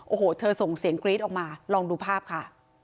โอ้โหเธอส่งเสียงกรี๊ดออกมาลองดูภาพค่ะ